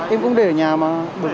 em cũng để ở nhà mà